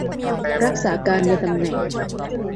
รักษาการในตำแหน่ง